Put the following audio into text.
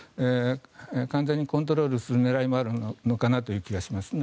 完全にコントロールする狙いもあるのかなという気もしますね。